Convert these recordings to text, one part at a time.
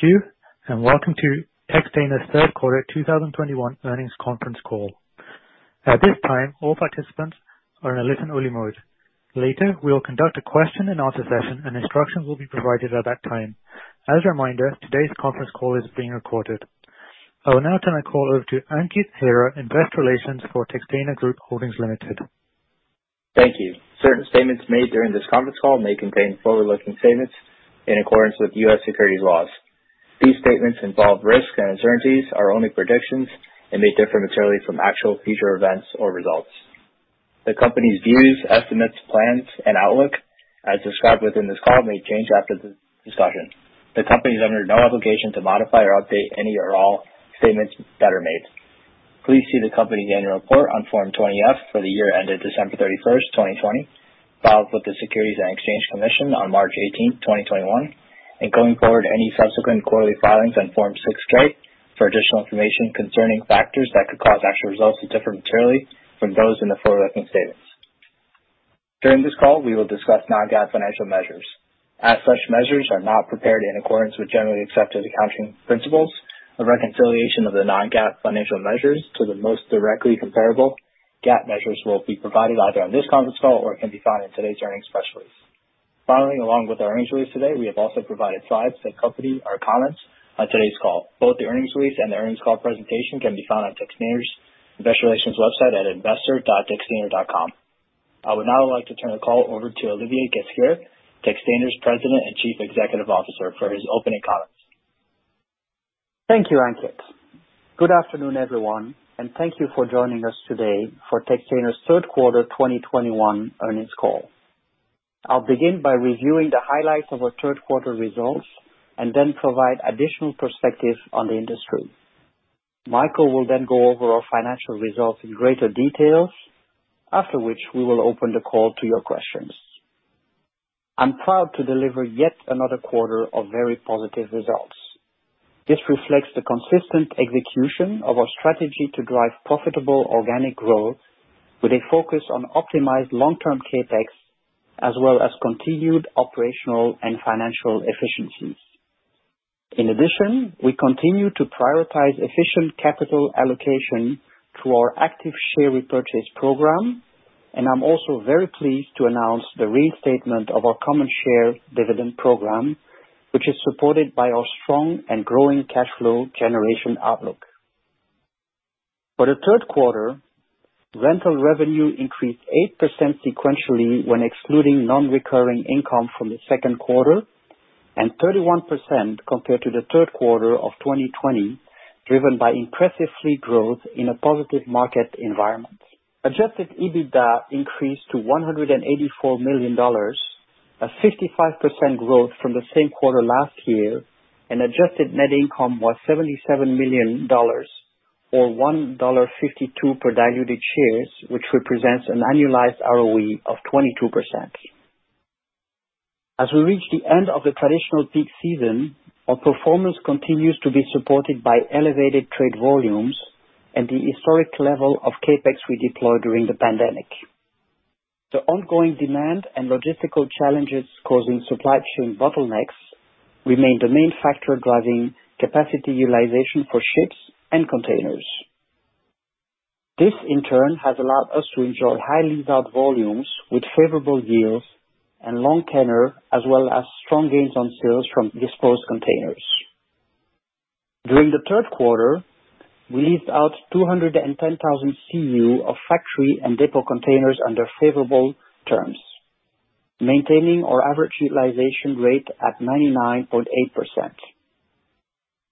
Thank you, and welcome to Textainer's third quarter 2021 earnings conference call. At this time, all participants are in a listen-only mode. Later, we will conduct a question-and-answer session, and instructions will be provided at that time. As a reminder, today's conference call is being recorded. I will now turn the call over to Ankit Hira, Investor Relations for Textainer Group Holdings Limited. Thank you. Certain statements made during this conference call may contain forward-looking statements in accordance with U.S. securities laws. These statements involve risks and uncertainties, are only predictions, and may differ materially from actual future events or results. The company's views, estimates, plans, and outlook, as described within this call, may change after this discussion. The company is under no obligation to modify or update any or all statements that are made. Please see the company's annual report on Form 20-F for the year ended December 31, 2020, filed with the Securities and Exchange Commission on March 18, 2021, and going forward, any subsequent quarterly filings on Form 6-K for additional information concerning factors that could cause actual results to differ materially from those in the forward-looking statements. During this call, we will discuss non-GAAP financial measures. As such measures are not prepared in accordance with generally accepted accounting principles, a reconciliation of the non-GAAP financial measures to the most directly comparable GAAP measures will be provided either on this conference call or can be found in today's earnings press release. Finally, along with our earnings release today, we have also provided slides that accompany our comments on today's call. Both the earnings release and the earnings call presentation can be found on Textainer's investor relations website at investor.textainer.com. I would now like to turn the call over to Olivier Ghesquiere, Textainer's President and Chief Executive Officer, for his opening comments. Thank you, Ankit. Good afternoon, everyone, and thank you for joining us today for Textainer's third quarter 2021 earnings call. I'll begin by reviewing the highlights of our third quarter results and then provide additional perspective on the industry. Michael will then go over our financial results in greater details, after which we will open the call to your questions. I'm proud to deliver yet another quarter of very positive results. This reflects the consistent execution of our strategy to drive profitable organic growth with a focus on optimized long-term CapEx, as well as continued operational and financial efficiencies. In addition, we continue to prioritize efficient capital allocation through our active share repurchase program, and I'm also very pleased to announce the reinstatement of our common share dividend program, which is supported by our strong and growing cash flow generation outlook. For the third quarter, rental revenue increased 8% sequentially when excluding non-recurring income from the second quarter and 31% compared to the third quarter of 2020, driven by impressive fleet growth in a positive market environment. Adjusted EBITDA increased to $184 million, a 55% growth from the same quarter last year, and adjusted net income was $77 million or $1.52 per diluted shares, which represents an annualized ROE of 22%. As we reach the end of the traditional peak season, our performance continues to be supported by elevated trade volumes and the historic level of CapEx we deployed during the pandemic. The ongoing demand and logistical challenges causing supply chain bottlenecks remain the main factor driving capacity utilization for ships and containers. This, in turn, has allowed us to enjoy highly valued volumes with favorable yields and long tenure, as well as strong gains on sales from disposed containers. During the third quarter, we leased out 210,000 CEU of factory and depot containers under favorable terms, maintaining our average utilization rate at 99.8%.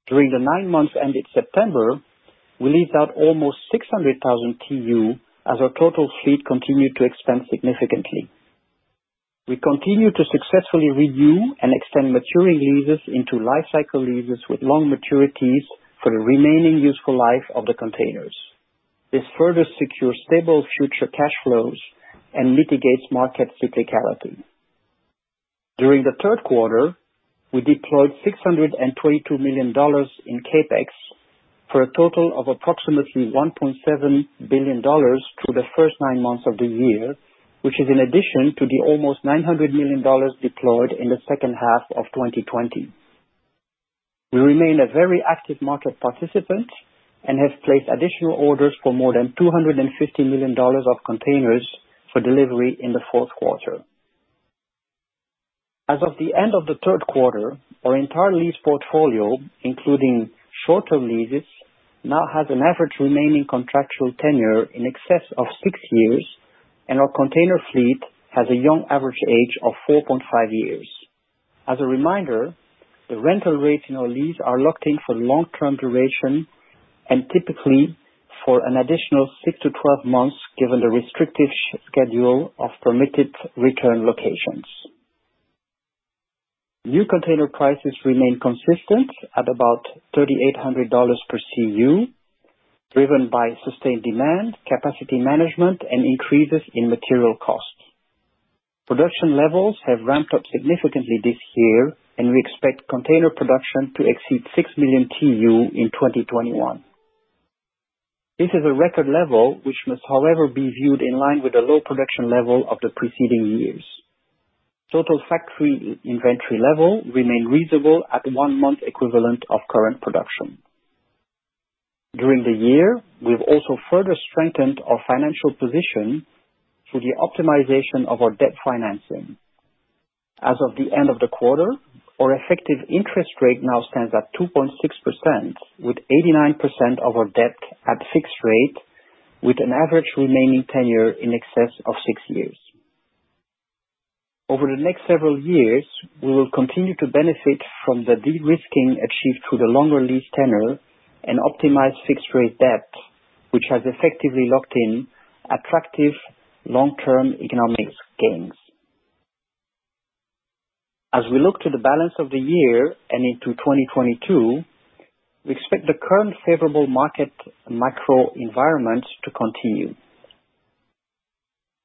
During the nine months ended September, we leased out almost 600,000 TEU as our total fleet continued to expand significantly. We continue to successfully renew and extend maturing leases into lifecycle leases with long maturities for the remaining useful life of the containers. This further secures stable future cash flows and mitigates market cyclicality. During the third quarter, we deployed $622 million in CapEx for a total of approximately $1.7 billion through the first 9 months of the year, which is in addition to the almost $900 million deployed in the second half of 2020. We remain a very active market participant and have placed additional orders for more than $250 million of containers for delivery in the fourth quarter. As of the end of the third quarter, our entire lease portfolio, including short-term leases, now has an average remaining contractual tenure in excess of six years, and our container fleet has a young average age of 4.5 years. As a reminder, the rental rates in our lease are locked in for long-term duration and typically for an additional 6-12 months, given the restrictive schedule of permitted return locations. New container prices remain consistent at about $3,800 per CU, driven by sustained demand, capacity management, and increases in material costs. Production levels have ramped up significantly this year, and we expect container production to exceed 6 million TEU in 2021. This is a record level which must, however, be viewed in line with the low production level of the preceding years. Total factory inventory level remained reasonable at one month equivalent of current production. During the year, we've also further strengthened our financial position through the optimization of our debt financing. As of the end of the quarter, our effective interest rate now stands at 2.6% with 89% of our debt at fixed rate, with an average remaining tenure in excess of six years. Over the next several years, we will continue to benefit from the de-risking achieved through the longer lease tenure and optimized fixed rate debt, which has effectively locked in attractive long-term economic gains. As we look to the balance of the year and into 2022, we expect the current favorable market macro environment to continue.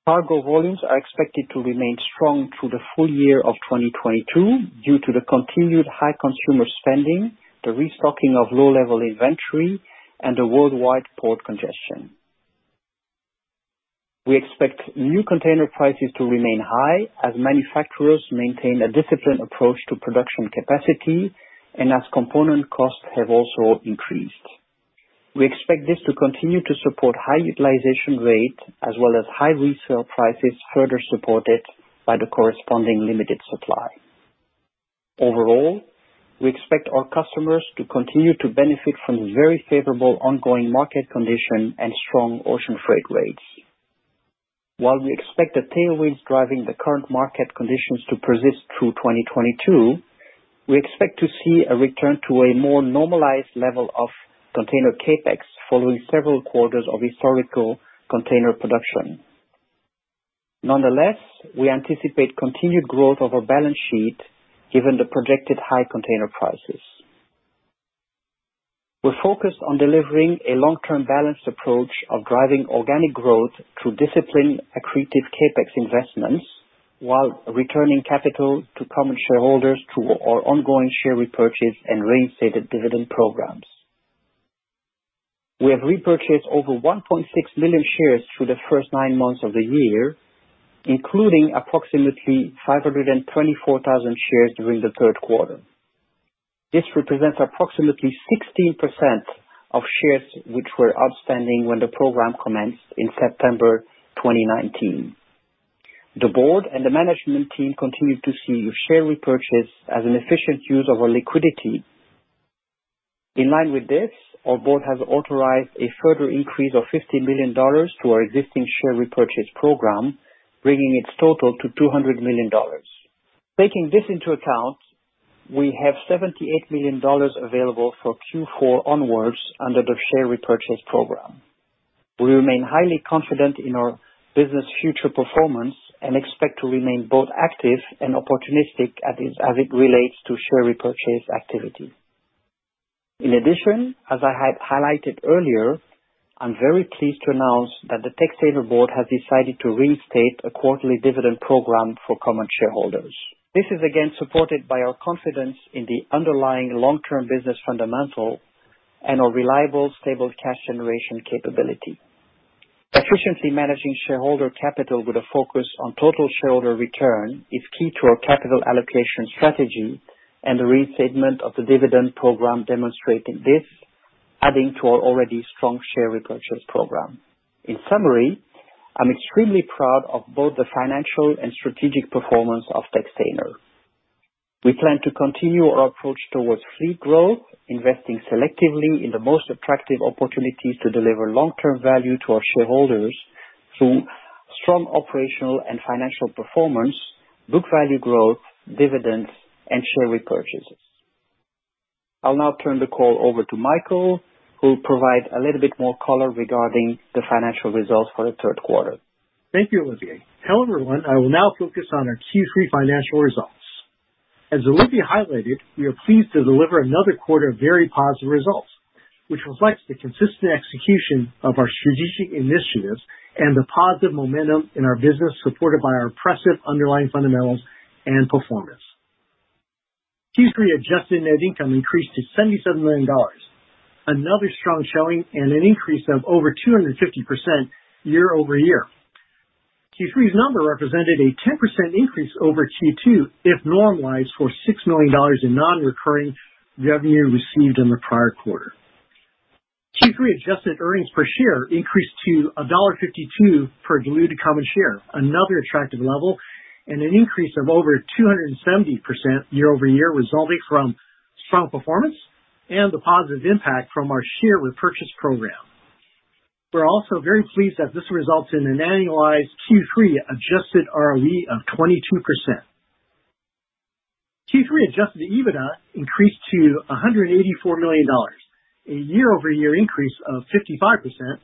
Cargo volumes are expected to remain strong through the full year of 2022 due to the continued high consumer spending, the restocking of low-level inventory and the worldwide port congestion. We expect new container prices to remain high as manufacturers maintain a disciplined approach to production capacity and as component costs have also increased. We expect this to continue to support high utilization rate as well as high resale prices, further supported by the corresponding limited supply. Overall, we expect our customers to continue to benefit from the very favorable ongoing market condition and strong ocean freight rates. While we expect the tailwinds driving the current market conditions to persist through 2022, we expect to see a return to a more normalized level of container CapEx following several quarters of historical container production. Nonetheless, we anticipate continued growth of our balance sheet given the projected high container prices. We're focused on delivering a long-term balanced approach of driving organic growth through disciplined accretive CapEx investments while returning capital to common shareholders through our ongoing share repurchase and reinstated dividend programs. We have repurchased over 1.6 million shares through the first nine months of the year, including approximately 524,000 shares during the third quarter. This represents approximately 16% of shares which were outstanding when the program commenced in September 2019. The board and the management team continue to see share repurchase as an efficient use of our liquidity. In line with this, our board has authorized a further increase of $50 million to our existing share repurchase program, bringing its total to $200 million. Taking this into account, we have $78 million available for Q4 onwards under the share repurchase program. We remain highly confident in our business future performance and expect to remain both active and opportunistic as it relates to share repurchase activity. In addition, as I had highlighted earlier, I'm very pleased to announce that the Textainer board has decided to reinstate a quarterly dividend program for common shareholders. This is again supported by our confidence in the underlying long-term business fundamental and our reliable, stable cash generation capability. Efficiently managing shareholder capital with a focus on total shareholder return is key to our capital allocation strategy and the reinstatement of the dividend program demonstrating this, adding to our already strong share repurchase program. In summary, I'm extremely proud of both the financial and strategic performance of Textainer. We plan to continue our approach towards fleet growth, investing selectively in the most attractive opportunities to deliver long-term value to our shareholders through strong operational and financial performance, book value growth, dividends and share repurchases. I'll now turn the call over to Michael, who'll provide a little bit more color regarding the financial results for the third quarter. Thank you, Olivier. Hello, everyone. I will now focus on our Q3 financial results. As Olivier highlighted, we are pleased to deliver another quarter of very positive results, which reflects the consistent execution of our strategic initiatives and the positive momentum in our business, supported by our impressive underlying fundamentals and performance. Q3 adjusted net income increased to $77 million, another strong showing and an increase of over 250% year-over-year. Q3's number represented a 10% increase over Q2 if normalized for $6 million in non-recurring revenue received in the prior quarter. Q3 adjusted earnings per share increased to $1.52 per diluted common share, another attractive level and an increase of over 270% year-over-year, resulting from strong performance and the positive impact from our share repurchase program. We're also very pleased that this results in an annualized Q3 adjusted ROE of 22%. Q3 adjusted EBITDA increased to $184 million, a year-over-year increase of 55%,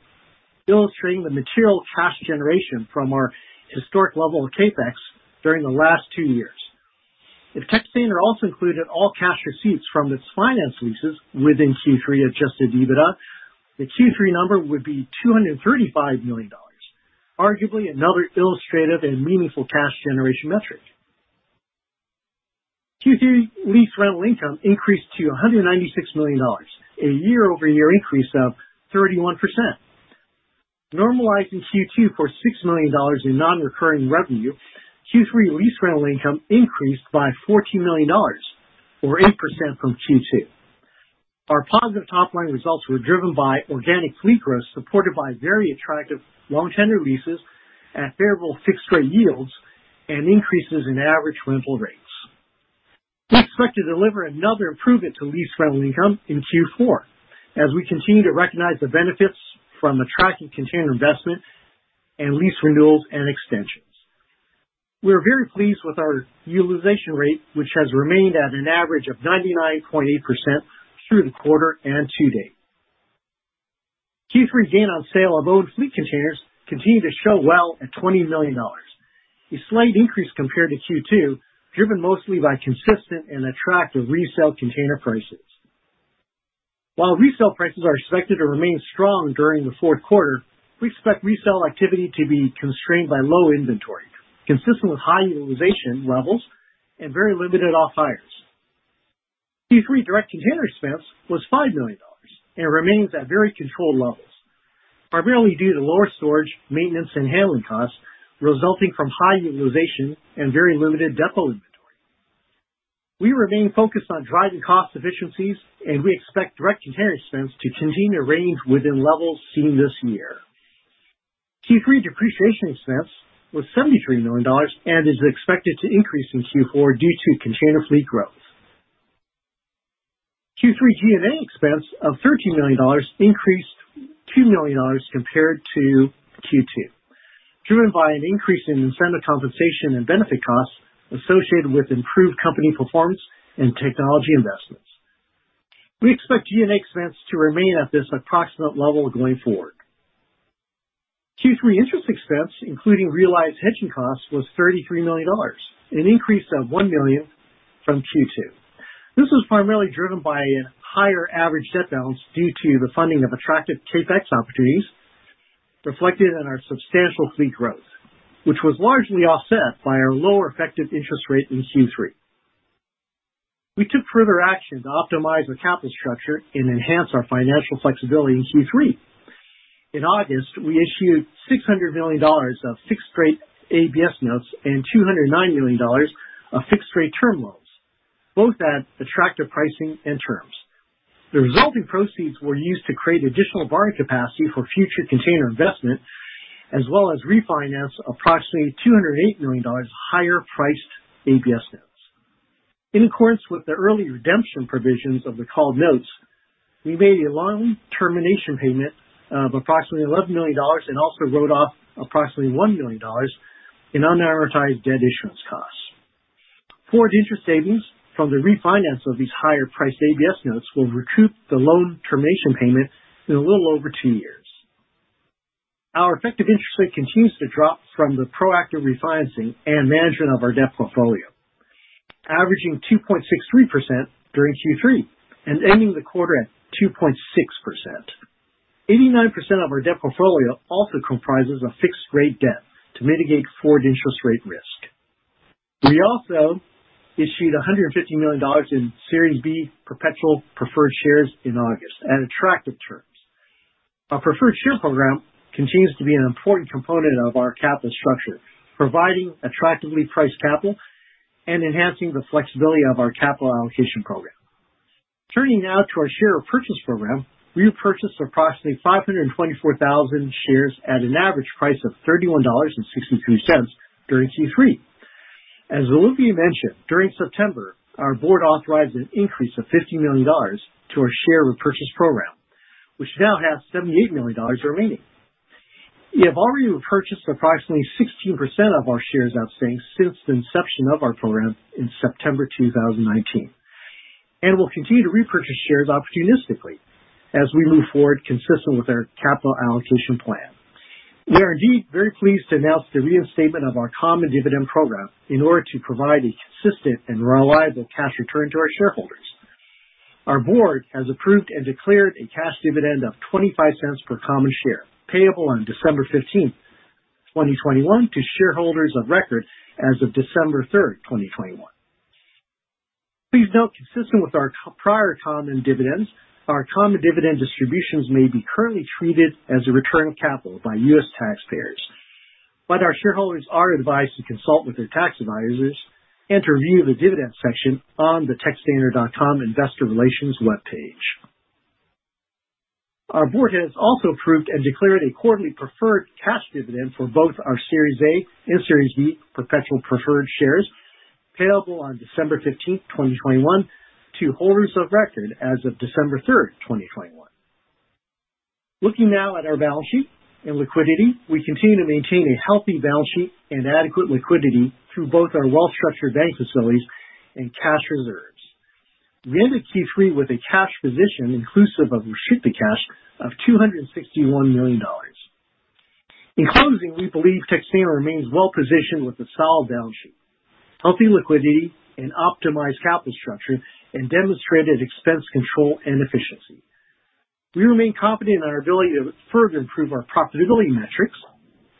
illustrating the material cash generation from our historic level of CapEx during the last two years. If Textainer also included all cash receipts from its finance leases within Q3 adjusted EBITDA, the Q3 number would be $235 million, arguably another illustrative and meaningful cash generation metric. Q3 lease rental income increased to $196 million, a year-over-year increase of 31%. Normalizing Q2 for $6 million in non-recurring revenue, Q3 lease rental income increased by $14 million, or 8% from Q2. Our positive top line results were driven by organic fleet growth, supported by very attractive long-tenor leases at favorable fixed rate yields and increases in average rental rates. We expect to deliver another improvement to lease rental income in Q4 as we continue to recognize the benefits from the tracking container investment and lease renewals and extensions. We are very pleased with our utilization rate, which has remained at an average of 99.8% through the quarter and to date. Q3 gain on sale of owned fleet containers continued to show well at $20 million, a slight increase compared to Q2, driven mostly by consistent and attractive resale container prices. While resale prices are expected to remain strong during the fourth quarter, we expect resale activity to be constrained by low inventory, consistent with high utilization levels and very limited off-hires. Q3 direct container expense was $5 million and remains at very controlled levels, primarily due to lower storage, maintenance, and handling costs resulting from high utilization and very limited depot inventory. We remain focused on driving cost efficiencies, and we expect direct container expense to continue to range within levels seen this year. Q3 depreciation expense was $73 million and is expected to increase in Q4 due to container fleet growth. Q3 G&A expense of $13 million increased $2 million compared to Q2, driven by an increase in incentive compensation and benefit costs associated with improved company performance and technology investments. We expect G&A expense to remain at this approximate level going forward. Q3 interest expense, including realized hedging costs, was $33 million, an increase of $1 million from Q2. This was primarily driven by a higher average debt balance due to the funding of attractive CapEx opportunities reflected in our substantial fleet growth, which was largely offset by our lower effective interest rate in Q3. We took further action to optimize our capital structure and enhance our financial flexibility in Q3. In August, we issued $600 million of fixed-rate ABS notes and $209 million of fixed-rate term loans, both at attractive pricing and terms. The resulting proceeds were used to create additional borrowing capacity for future container investment, as well as refinance approximately $208 million higher-priced ABS notes. In accordance with the early redemption provisions of the called notes, we made a lump termination payment of approximately $11 million and also wrote off approximately $1 million in unamortized debt issuance costs. Forward interest savings from the refinance of these higher-priced ABS notes will recoup the loan termination payment in a little over two years. Our effective interest rate continues to drop from the proactive refinancing and management of our debt portfolio, averaging 2.63% during Q3 and ending the quarter at 2.6%. 89% of our debt portfolio also comprises of fixed-rate debt to mitigate forward interest rate risk. We also issued $150 million in Series B perpetual preferred shares in August at attractive terms. Our preferred share program continues to be an important component of our capital structure, providing attractively priced capital and enhancing the flexibility of our capital allocation program. Turning now to our share repurchase program. We repurchased approximately 524,000 shares at an average price of $31.62 during Q3. As Olivier mentioned, during September, our board authorized an increase of $50 million to our share repurchase program, which now has $78 million remaining. We have already repurchased approximately 16% of our shares outstanding since the inception of our program in September 2019, and will continue to repurchase shares opportunistically as we move forward, consistent with our capital allocation plan. We are indeed very pleased to announce the reinstatement of our common dividend program in order to provide a consistent and reliable cash return to our shareholders. Our board has approved and declared a cash dividend of $0.25 per common share, payable on December 15, 2021 to shareholders of record as of December 3, 2021. Please note, consistent with our prior common dividends, our common dividend distributions may be currently treated as a return of capital by U.S. taxpayers, but our shareholders are advised to consult with their tax advisors and to review the dividend section on the textainer.com investor relations webpage. Our board has also approved and declared a quarterly preferred cash dividend for both our Series A and Series B perpetual preferred shares, payable on December 15, 2021 to holders of record as of December 3, 2021. Looking now at our balance sheet and liquidity. We continue to maintain a healthy balance sheet and adequate liquidity through both our well-structured bank facilities and cash reserves. We ended Q3 with a cash position inclusive of restricted cash of $261 million. In closing, we believe Textainer remains well-positioned with a solid balance sheet, healthy liquidity, an optimized capital structure, and demonstrated expense control and efficiency. We remain confident in our ability to further improve our profitability metrics.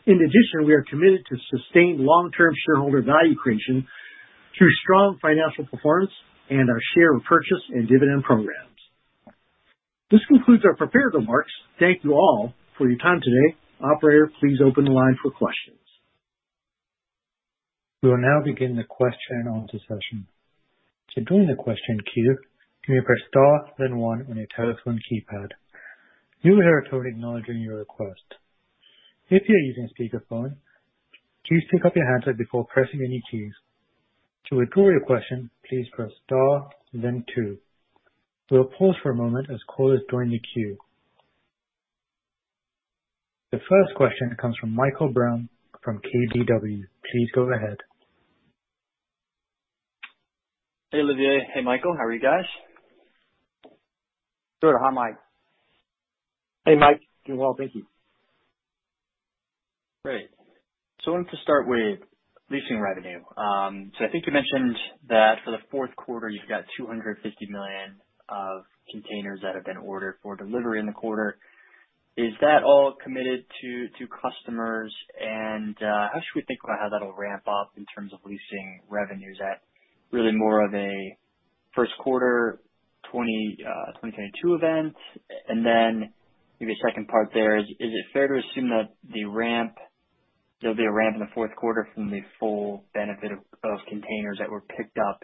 In addition, we are committed to sustained long-term shareholder value creation through strong financial performance and our share repurchase and dividend programs. This concludes our prepared remarks. Thank you all for your time today. Operator, please open the line for questions. We will now begin the question and answer session. To join the question queue, press star then one on your telephone keypad. You will hear a tone acknowledging your request. If you are using speakerphone, please pick up your handset before pressing any keys. To withdraw your question, please press star then two. We'll pause for a moment as callers join the queue. The first question comes from Michael Brown from KBW. Please go ahead. Hey, Olivier. Hey, Michael, how are you guys? Good. Hi, Mike. Hey, Mike. Doing well, thank you. Great. I wanted to start with leasing revenue. I think you mentioned that for the fourth quarter you've got 250 million of containers that have been ordered for delivery in the quarter. Is that all committed to customers? How should we think about how that'll ramp up in terms of leasing revenues at really more of a first quarter 2022 event? Maybe a second part is it fair to assume that there'll be a ramp in the fourth quarter from the full benefit of containers that were picked up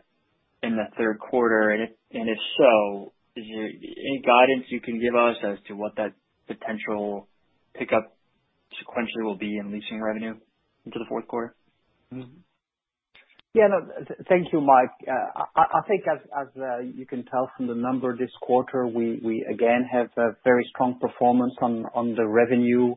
in the third quarter? If so, is there any guidance you can give us as to what that potential pickup sequentially will be in leasing revenue into the fourth quarter? Yeah, no, thank you, Mike. I think as you can tell from the number this quarter, we again have a very strong performance on the revenue.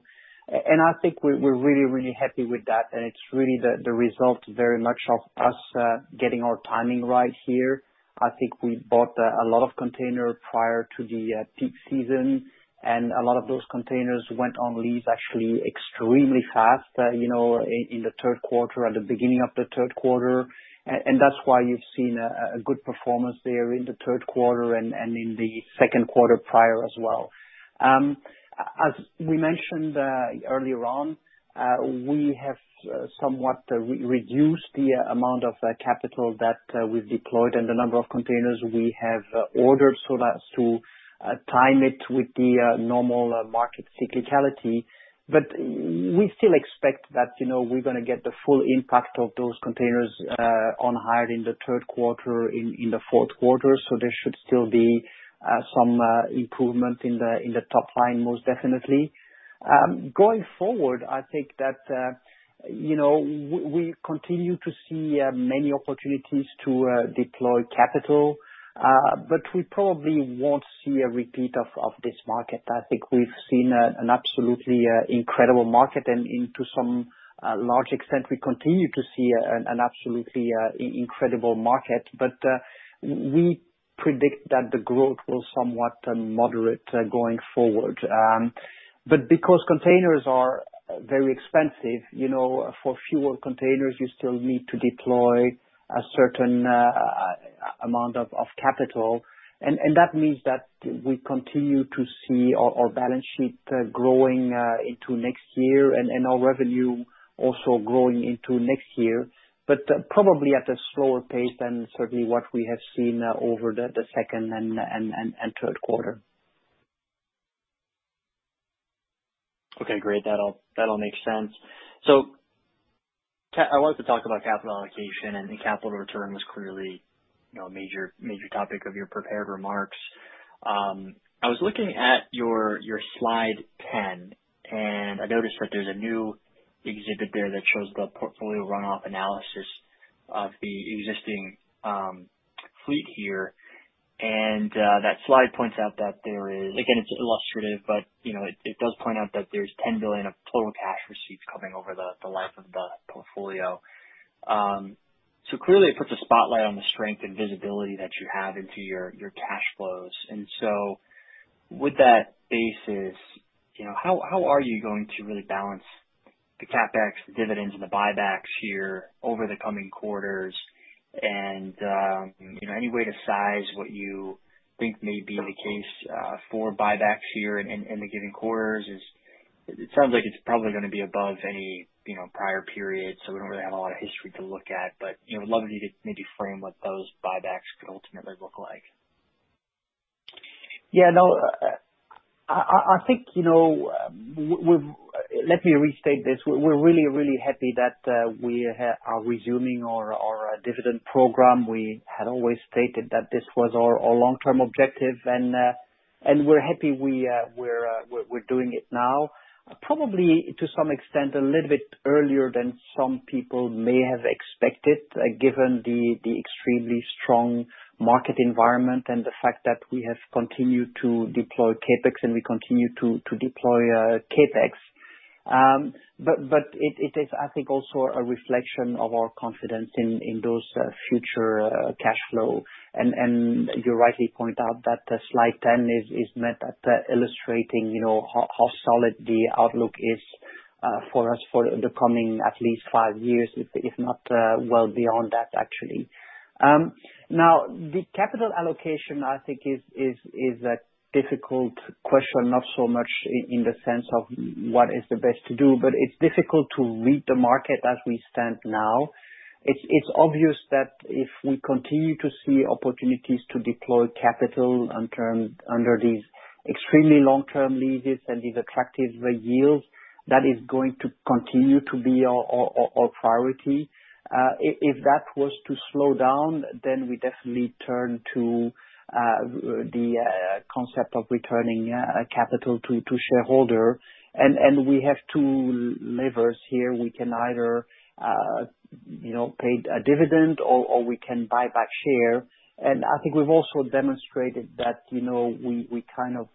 I think we're really happy with that. It's really the result very much of us getting our timing right here. I think we bought a lot of container prior to the peak season, and a lot of those containers went on lease actually extremely fast, you know, in the third quarter, at the beginning of the third quarter. That's why you've seen a good performance there in the third quarter and in the second quarter prior as well. As we mentioned earlier on, we have somewhat reduced the amount of capital that we've deployed and the number of containers we have ordered so as to time it with the normal market cyclicality. We still expect that, you know, we're gonna get the full impact of those containers on hire in the third quarter, in the fourth quarter. There should still be some improvement in the top line, most definitely. Going forward, I think that you know we continue to see many opportunities to deploy capital, but we probably won't see a repeat of this market. I think we've seen an absolutely incredible market. To some large extent we continue to see an absolutely incredible market. We predict that the growth will somewhat moderate going forward. Because containers are very expensive, you know, for fewer containers, you still need to deploy a certain amount of capital. That means that we continue to see our balance sheet growing into next year and our revenue also growing into next year, probably at a slower pace than certainly what we have seen over the second and third quarter. Okay, great. That'll make sense. I wanted to talk about capital allocation and capital return was clearly, you know, a major topic of your prepared remarks. I was looking at your slide 10, and I noticed that there's a new exhibit there that shows the portfolio runoff analysis of the existing fleet here. That slide points out that there is. Again, it's illustrative, but you know, it does point out that there's $10 billion of total cash receipts coming over the life of the portfolio. So clearly it puts a spotlight on the strength and visibility that you have into your cash flows. With that basis, you know, how are you going to really balance the CapEx, the dividends and the buybacks here over the coming quarters? you know, any way to size what you think may be the case for buybacks here in the given quarters is. It sounds like it's probably gonna be above any, you know, prior period, so we don't really have a lot of history to look at. you know, I'd love you to maybe frame what those buybacks could ultimately look like. Let me restate this. We're really happy that we are resuming our dividend program. We had always stated that this was our long-term objective and we're happy we're doing it now, probably to some extent a little bit earlier than some people may have expected, given the extremely strong market environment and the fact that we have continued to deploy CapEx and we continue to deploy CapEx. But it is, I think, also a reflection of our confidence in those future cash flow. You rightly point out that slide 10 is meant to illustrating, you know, how solid the outlook is for us for the coming at least five years, if not well beyond that actually. Now, the capital allocation, I think is a difficult question, not so much in the sense of what is the best to do, but it's difficult to read the market as we stand now. It's obvious that if we continue to see opportunities to deploy capital under these extremely long-term leases and these attractive yields, that is going to continue to be our priority. If that was to slow down, then we definitely turn to the concept of returning capital to shareholder. We have two levers here. We can either, you know, pay a dividend or we can buy back shares. I think we've also demonstrated that, you know, we kind of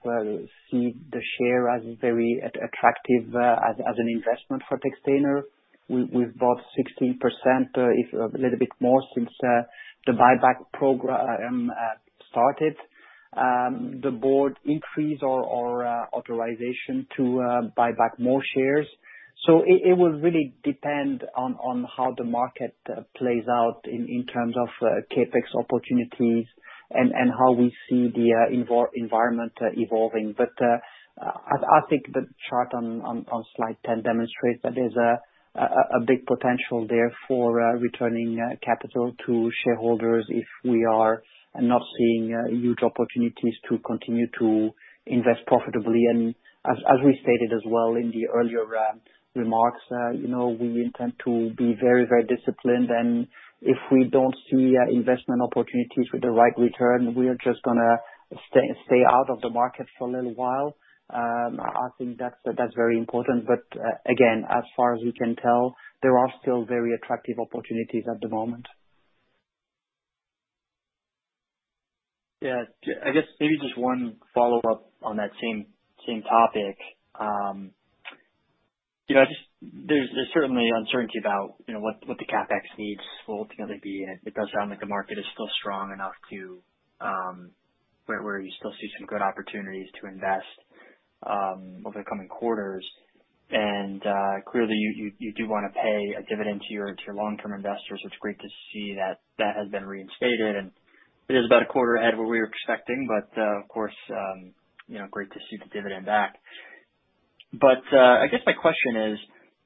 see the shares as very attractive as an investment for Textainer. We've bought 16% or a little bit more since the buyback program started. The board increased our authorization to buy back more shares. It will really depend on how the market plays out in terms of CapEx opportunities and how we see the environment evolving. I think the chart on slide 10 demonstrates that there's a big potential there for returning capital to shareholders if we are not seeing huge opportunities to continue to invest profitably. As we stated as well in the earlier remarks, you know, we intend to be very, very disciplined. If we don't see investment opportunities with the right return, we are just gonna stay out of the market for a little while. I think that's very important. Again, as far as we can tell, there are still very attractive opportunities at the moment. Yeah. I guess maybe just one follow-up on that same topic. You know, there's certainly uncertainty about, you know, what the CapEx needs will ultimately be, and it does sound like the market is still strong enough to where you still see some good opportunities to invest over the coming quarters. Clearly, you do wanna pay a dividend to your long-term investors. It's great to see that has been reinstated, and it is about a quarter ahead where we were expecting. Of course, you know, great to see the dividend back. I guess my question is,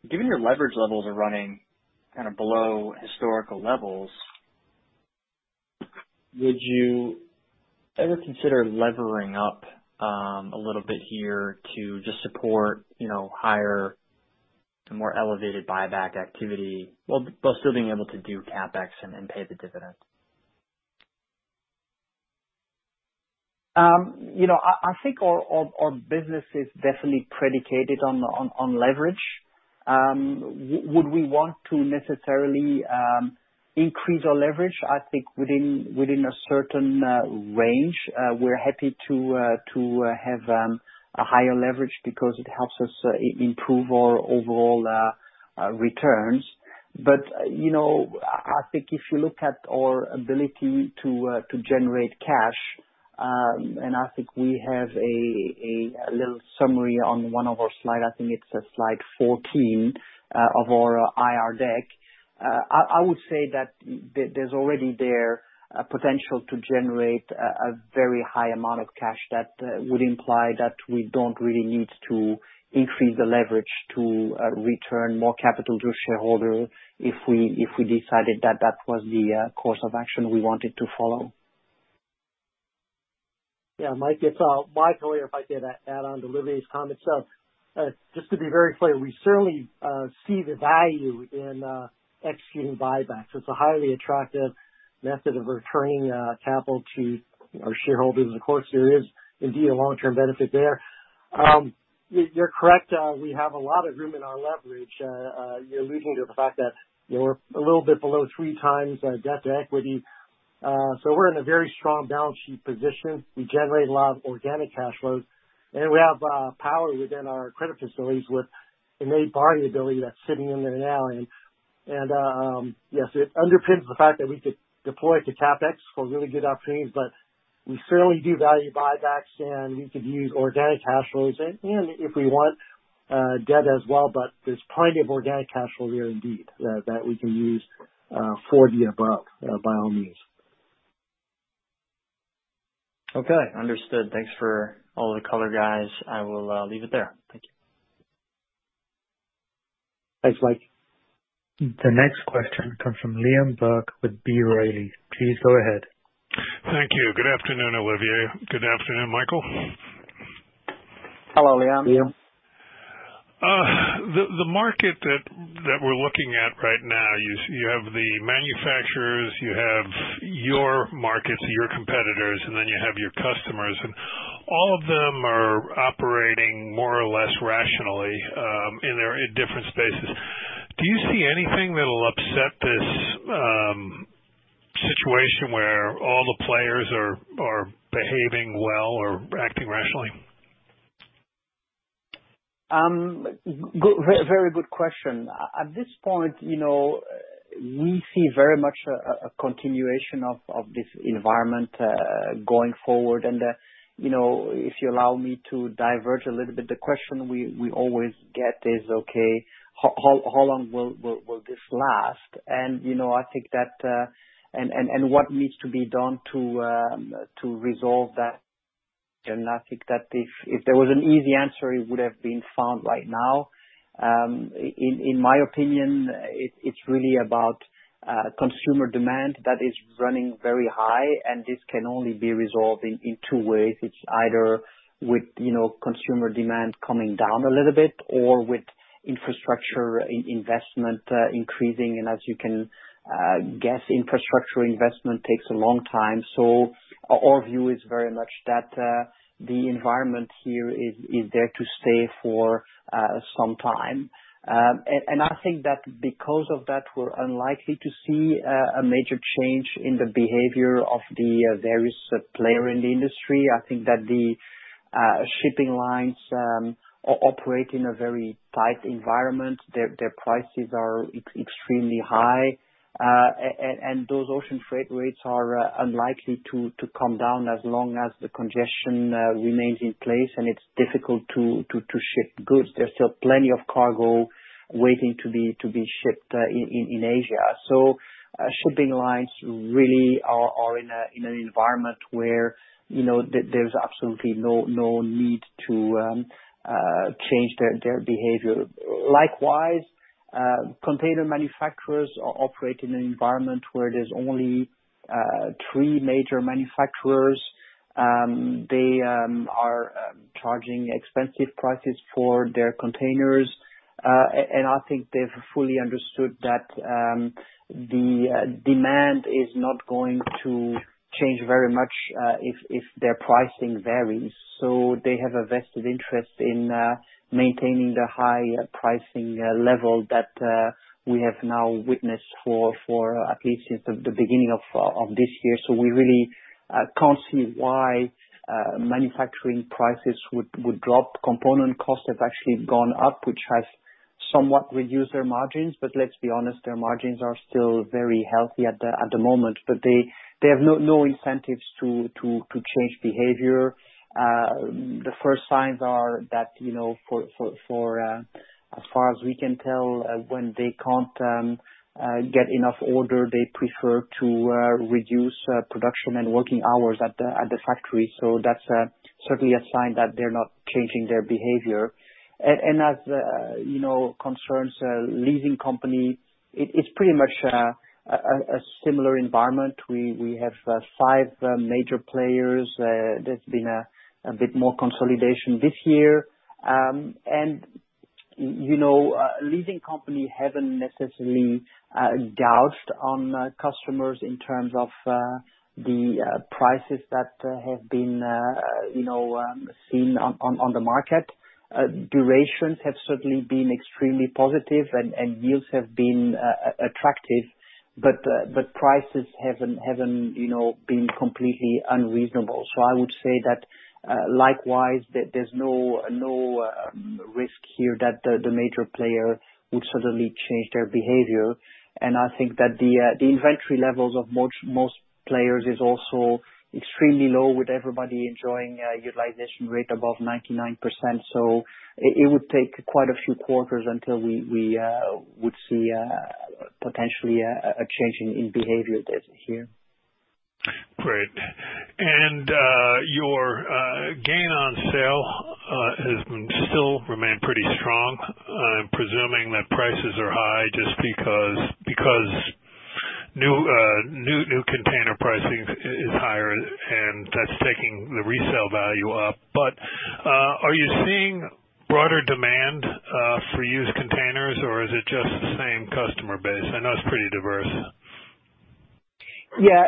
given your leverage levels are running kind of below historical levels, would you ever consider levering up a little bit here to just support, you know, higher, more elevated buyback activity, while still being able to do CapEx and pay the dividends? You know, I think our business is definitely predicated on leverage. Would we want to necessarily increase our leverage? I think within a certain range, we're happy to have a higher leverage because it helps us improve our overall returns. You know, I think if you look at our ability to generate cash, and I think we have a little summary on one of our slide. I think it's slide 14 of our IR deck. I would say that there's already a potential to generate a very high amount of cash that would imply that we don't really need to increase the leverage to return more capital to shareholder if we decided that that was the course of action we wanted to follow. Yeah. Mike, it's Michael. If I could add on to Olivier's comments. Just to be very clear, we certainly see the value in executing buybacks. It's a highly attractive method of returning capital to our shareholders. Of course, there is indeed a long-term benefit there. You're correct. We have a lot of room in our leverage. You're alluding to the fact that we're a little bit below three times debt to equity. We're in a very strong balance sheet position. We generate a lot of organic cash flows, and we have power within our credit facilities with unused borrowing ability that's sitting in there now. Yes, it underpins the fact that we could deploy to CapEx for really good opportunities, but we certainly do value buybacks, and we could use organic cash flows, and if we want, debt as well. There's plenty of organic cash flow there indeed that we can use for the above by all means. Okay. Understood. Thanks for all the color, guys. I will leave it there. Thank you. Thanks, Mike. The next question comes from Liam Burke with B. Riley. Please go ahead. Thank you. Good afternoon, Olivier. Good afternoon, Michael. Hello, Liam. Liam. The market that we're looking at right now, you have the manufacturers, you have your markets, your competitors, and then you have your customers. All of them are operating more or less rationally in their different spaces. Do you see anything that'll upset this situation where all the players are behaving well or acting rationally? Very good question. At this point, you know, we see very much a continuation of this environment going forward. You know, if you allow me to diverge a little bit, the question we always get is, "Okay, how long will this last?" You know, I think that what needs to be done to resolve that, and I think that if there was an easy answer, it would have been found right now. In my opinion, it's really about consumer demand that is running very high, and this can only be resolved in two ways. It's either with, you know, consumer demand coming down a little bit or with infrastructure investment increasing. As you can guess, infrastructure investment takes a long time. Our view is very much that the environment here is there to stay for some time. I think that because of that, we're unlikely to see a major change in the behavior of the various players in the industry. I think that the shipping lines operate in a very tight environment. Their prices are extremely high, and those ocean freight rates are unlikely to come down as long as the congestion remains in place and it's difficult to ship goods. There's still plenty of cargo waiting to be shipped in Asia. Shipping lines really are in an environment where, you know, there's absolutely no need to change their behavior. Likewise, container manufacturers operate in an environment where there's only three major manufacturers. They are charging expensive prices for their containers, and I think they've fully understood that the demand is not going to change very much if their pricing varies. They have a vested interest in maintaining the high pricing level that we have now witnessed for at least since the beginning of this year. We really can't see why manufacturing prices would drop. Component costs have actually gone up, which has somewhat reduced their margins, but let's be honest, their margins are still very healthy at the moment. They have no incentives to change behavior. The first signs are that, you know, for as far as we can tell, when they can't get enough order, they prefer to reduce production and working hours at the factory. That's certainly a sign that they're not changing their behavior. As you know, concerns leasing company, it's pretty much a similar environment. We have five major players. There's been a bit more consolidation this year. You know, leasing company haven't necessarily gouged on customers in terms of the prices that have been you know seen on the market. Durations have certainly been extremely positive and yields have been attractive, but prices haven't you know been completely unreasonable. I would say that, likewise, there's no risk here that the major player would suddenly change their behavior. I think that the inventory levels of most players is also extremely low with everybody enjoying a utilization rate above 99%. It would take quite a few quarters until we would see potentially a change in behavior there. Great. Your gain on sale has still remained pretty strong. I'm presuming that prices are high just because new container pricing is higher and that's taking the resale value up. Are you seeing broader demand for used containers or is it just the same customer base? I know it's pretty diverse. Yeah,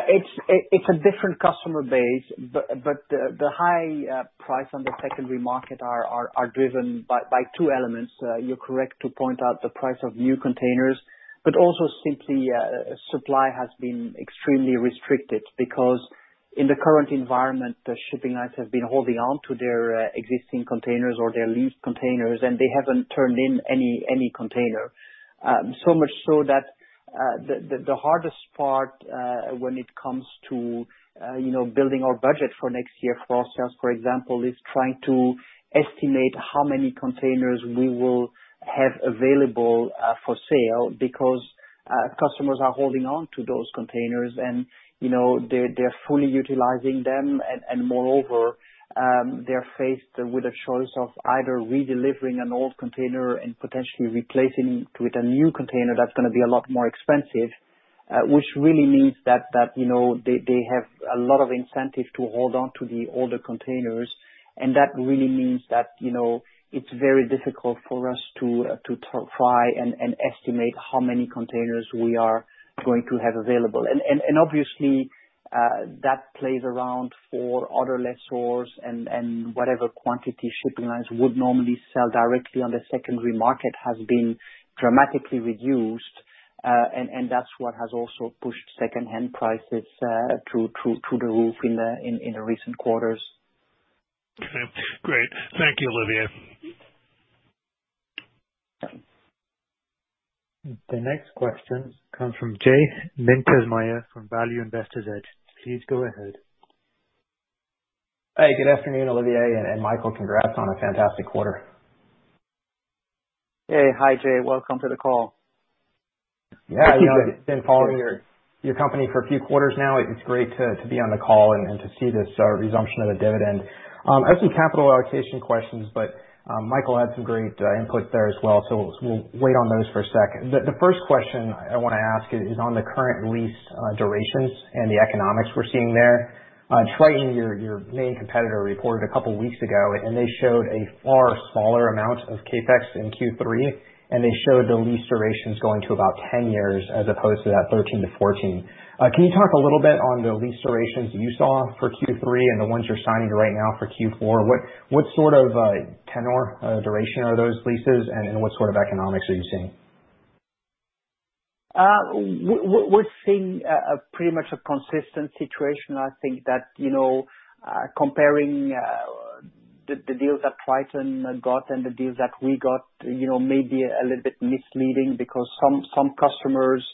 it's a different customer base, but the high price on the secondary market are driven by two elements. You're correct to point out the price of new containers, but also simply supply has been extremely restricted because in the current environment, the shipping lines have been holding on to their existing containers or their leased containers, and they haven't turned in any container. So much so that the hardest part when it comes to, you know, building our budget for next year for ourselves, for example, is trying to estimate how many containers we will have available for sale because customers are holding on to those containers and, you know, they're fully utilizing them. Moreover, they're faced with a choice of either redelivering an old container and potentially replacing with a new container that's gonna be a lot more expensive, which really means that you know they have a lot of incentive to hold on to the older containers. That really means that you know it's very difficult for us to try and estimate how many containers we are going to have available. Obviously that plays around for other lessors and whatever quantities shipping lines would normally sell directly on the secondary market has been dramatically reduced and that's what has also pushed second-hand prices through the roof in the recent quarters. Okay. Great. Thank you, Olivier. The next question comes from J Mintzmyer from Value Investor's Edge. Please go ahead. Hi, good afternoon, Olivier and Michael, congrats on a fantastic quarter. Hey. Hi, J. Welcome to the call. Yeah. You know, been following your company for a few quarters now. It's great to be on the call and to see this resumption of the dividend. I have some capital allocation questions, but Michael had some great input there as well, so we'll wait on those for a second. The first question I want to ask is on the current lease durations and the economics we're seeing there. Triton, your main competitor, reported a couple weeks ago, and they showed a far smaller amount of CapEx in Q3, and they showed the lease durations going to about 10 years as opposed to that 13-14. Can you talk a little bit on the lease durations you saw for Q3, and the ones you're signing right now for Q4? What sort of tenure, duration are those leases and what sort of economics are you seeing? We're seeing a pretty much consistent situation. I think that, you know, comparing the deals that Triton got and the deals that we got, you know, may be a little bit misleading because some customers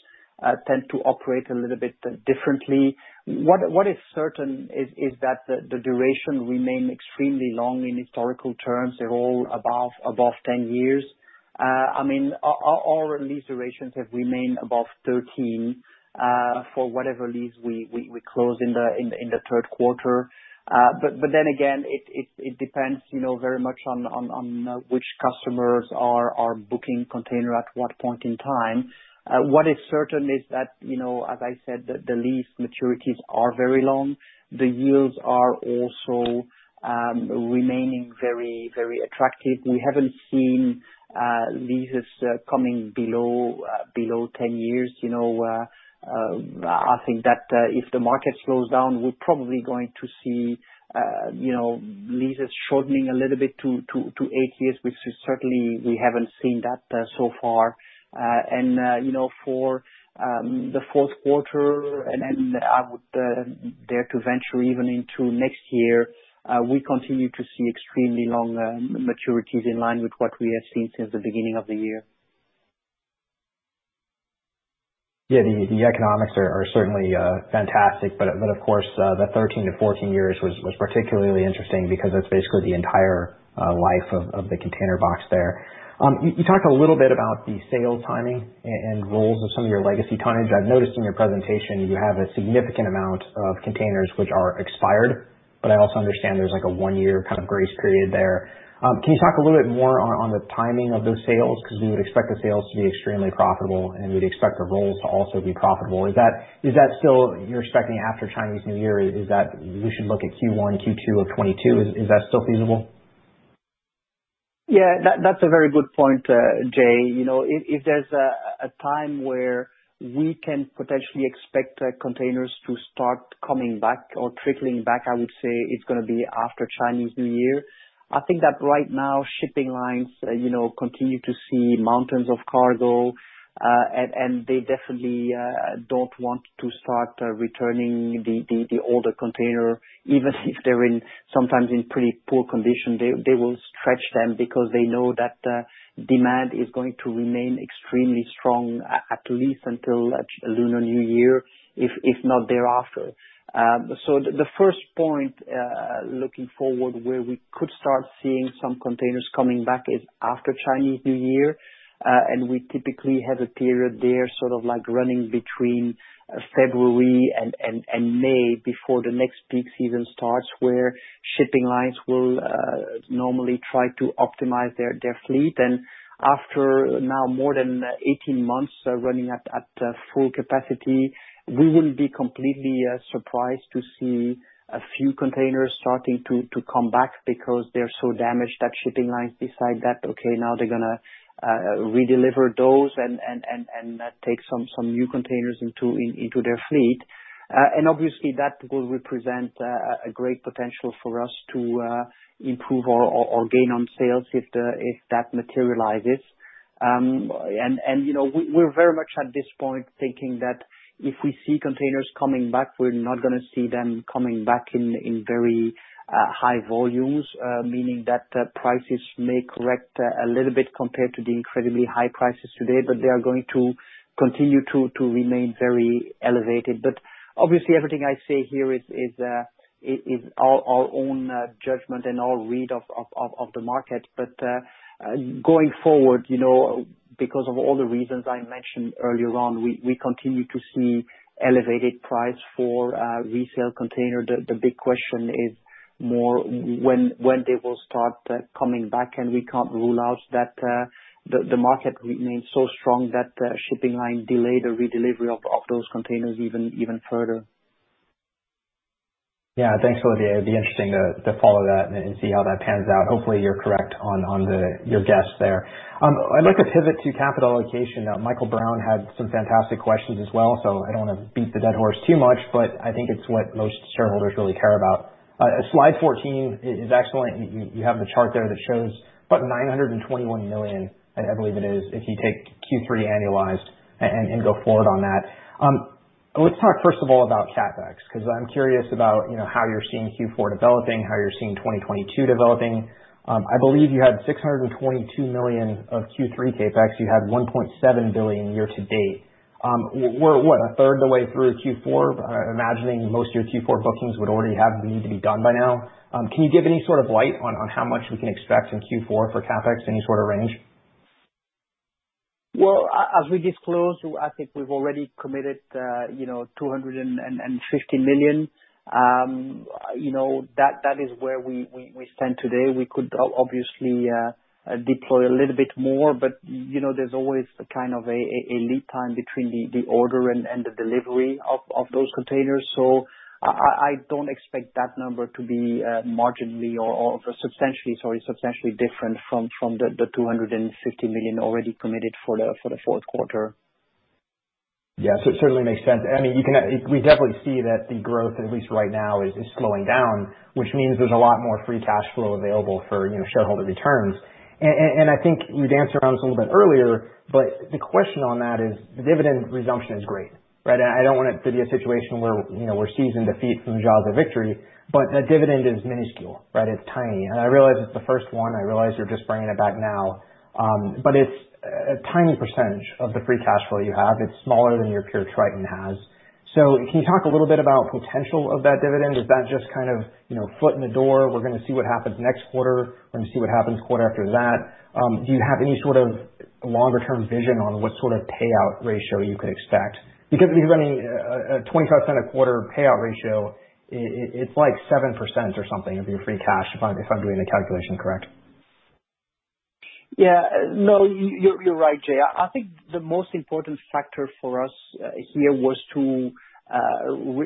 tend to operate a little bit differently. What is certain is that the duration remain extremely long in historical terms. They're all above 10 years. I mean, all lease durations have remained above 13 for whatever lease we closed in the third quarter. But then again, it depends, you know, very much on which customers are booking container at what point in time. What is certain is that, you know, as I said, the lease maturities are very long. The yields are also remaining very, very attractive. We haven't seen leases coming below 10 years, you know. I think that if the market slows down, we're probably going to see you know, leases shortening a little bit to eight years, which is certainly we haven't seen that so far. You know, for the fourth quarter and then I would dare to venture even into next year, we continue to see extremely long maturities in line with what we have seen since the beginning of the year. Yeah. The economics are certainly fantastic, but of course, the 13-14 years was particularly interesting because that's basically the entire life of the container box there. You talked a little bit about the sales timing and rollovers of some of your legacy tonnage. I've noticed in your presentation you have a significant amount of containers which are expired, but I also understand there's like a one-year kind of grace period there. Can you talk a little bit more on the timing of those sales? 'Cause you would expect the sales to be extremely profitable, and you'd expect the rollovers to also be profitable. Is that still you're expecting after Chinese New Year, is that we should look at Q1, Q2 of 2022? Is that still feasible? Yeah. That's a very good point, J. You know, if there's a time where we can potentially expect containers to start coming back or trickling back, I would say it's gonna be after Chinese New Year. I think that right now shipping lines, you know, continue to see mountains of cargo, and they definitely don't want to start returning the older container, even if they're sometimes in pretty poor condition. They will stretch them because they know that demand is going to remain extremely strong, at least until Lunar New Year, if not thereafter. The first point looking forward where we could start seeing some containers coming back is after Chinese New Year, and we typically have a period there, sort of like running between February and May, before the next peak season starts, where shipping lines will normally try to optimize their fleet. After now more than 18 months running at full capacity, we wouldn't be completely surprised to see a few containers starting to come back because they're so damaged that shipping lines decide that, okay, now they're gonna redeliver those and take some new containers into their fleet. Obviously that will represent a great potential for us to improve our gain on sales if that materializes. You know, we're very much at this point thinking that if we see containers coming back, we're not gonna see them coming back in very high volumes, meaning that the prices may correct a little bit compared to the incredibly high prices today, but they are going to continue to remain very elevated. Obviously, everything I say here is our own judgment and our read of the market. Going forward, you know, because of all the reasons I mentioned earlier on, we continue to see elevated price for resale container. The big question is more when they will start coming back, and we can't rule out that the market remains so strong that the shipping line delay the redelivery of those containers even further. Yeah. Thanks, Olivier. It'll be interesting to follow that and see how that pans out. Hopefully you're correct on your guess there. I'd like to pivot to capital allocation. Now, Michael Brown had some fantastic questions as well, so I don't wanna beat the dead horse too much, but I think it's what most shareholders really care about. Slide 14 is excellent. You have the chart there that shows about $921 million, I believe it is, if you take Q3 annualized and go forward on that. Let's talk first of all about CapEx, 'cause I'm curious about how you're seeing Q4 developing, how you're seeing 2022 developing. I believe you had $622 million of Q3 CapEx. You had $1.7 billion year-to-date. We're what? A third of the way through Q4. Imagining most of your Q4 bookings would already have needed to be done by now. Can you give any sort of light on how much we can expect in Q4 for CapEx? Any sort of range? Well, as we disclose, I think we've already committed $250 million. You know, that is where we stand today. We could obviously deploy a little bit more, but you know, there's always kind of a lead time between the order and the delivery of those containers. I don't expect that number to be substantially different from the $250 million already committed for the fourth quarter. Yeah. It certainly makes sense. I mean, we definitely see that the growth, at least right now, is slowing down, which means there's a lot more free cash flow available for, you know, shareholder returns. I think you danced around this a little bit earlier, but the question on that is the dividend resumption is great, right? I don't want it to be a situation where, you know, we're seizing defeat from jaws of victory, but the dividend is minuscule, right? It's tiny. I realize it's the first one. I realize you're just bringing it back now. It's a tiny percentage of the free cash flow you have. It's smaller than your peer, Triton, has. Can you talk a little bit about potential of that dividend? Is that just kind of, you know, foot in the door, we're gonna see what happens next quarter, we're gonna see what happens quarter after that? Do you have any sort of longer term vision on what sort of payout ratio you could expect? Because if you're running a $0.25 a quarter payout ratio, it's like 7% or something of your free cash, if I'm doing the calculation correct. Yeah. No, you're right, J. I think the most important factor for us here was to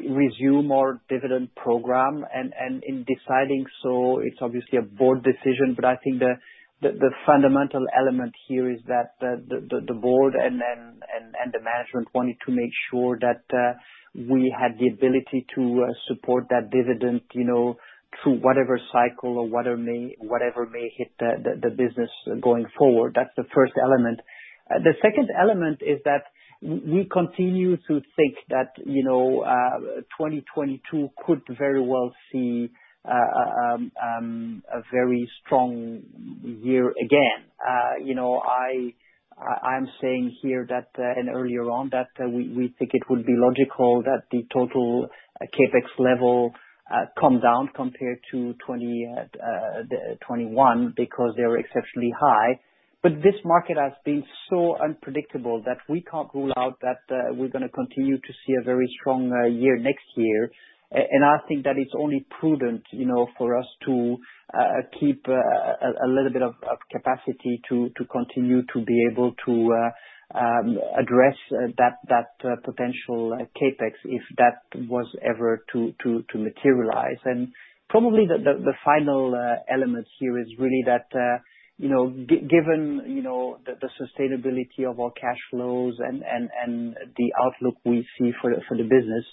resume our dividend program. In deciding so, it's obviously a board decision, but I think the fundamental element here is that the board and the management wanted to make sure that we had the ability to support that dividend, you know, through whatever cycle or whatever may hit the business going forward. That's the first element. The second element is that we continue to think that, you know, 2022 could very well see a very strong year again. You know, I'm saying here that earlier on that we think it would be logical that the total CapEx level come down compared to 2021 because they were exceptionally high. This market has been so unpredictable that we can't rule out that we're gonna continue to see a very strong year next year. I think that it's only prudent, you know, for us to keep a little bit of capacity to continue to be able to address that potential CapEx, if that was ever to materialize. Probably the final element here is really that, you know, given, you know, the sustainability of our cash flows and the outlook we see for the business,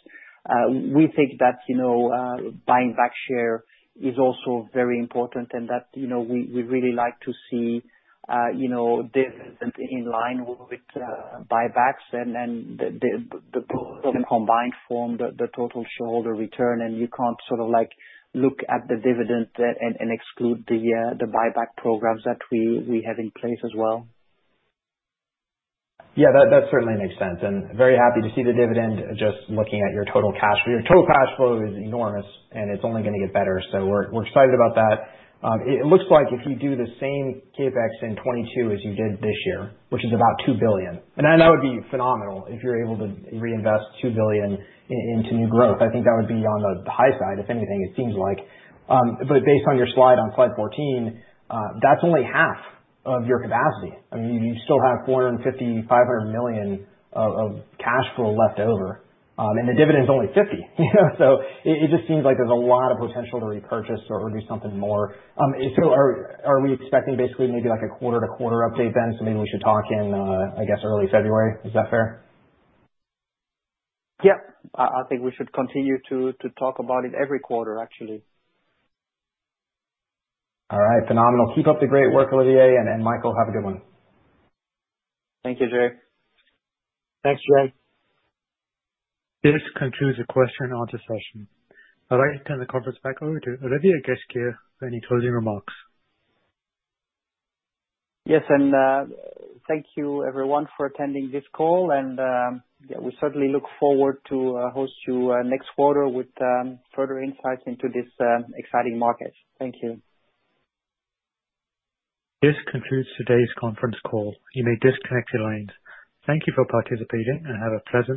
we think that, you know, buying back share is also very important and that, you know, we really like to see, you know, dividend in line with buybacks and the combined form, the total shareholder return. You can't sort of like look at the dividend and exclude the buyback programs that we have in place as well. Yeah, that certainly makes sense. Very happy to see the dividend just looking at your total cash flow. Your total cash flow is enormous, and it's only gonna get better. We're excited about that. It looks like if you do the same CapEx in 2022 as you did this year, which is about $2 billion, and that would be phenomenal if you're able to reinvest $2 billion into new growth. I think that would be on the high side, if anything. It seems like. But based on your slide, on slide 14, that's only half of your capacity. I mean, you still have $450 million-$500 million of cash flow left over. The dividend's only $50, you know, so it just seems like there's a lot of potential to repurchase or do something more. Are we expecting basically maybe like a quarter-to-quarter update then? Something we should talk in, I guess early February? Is that fair? Yeah. I think we should continue to talk about it every quarter, actually. All right. Phenomenal. Keep up the great work, Olivier and Michael. Have a good one. Thank you, J. Thanks, J. This concludes the question and answer session. I'd like to turn the conference back over to Olivier Ghesquiere for any closing remarks. Yes. Thank you everyone for attending this call, and yeah, we certainly look forward to hosting you next quarter with further insights into this exciting market. Thank you. This concludes today's conference call. You may disconnect your lines. Thank you for participating and have a pleasant day.